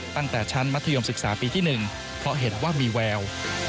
ตั้งแต่ชั้นมัธยมศึกษาปีที่๑เพราะเห็นว่ามีแวว